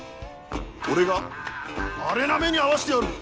俺がアレな目に遭わしてやる！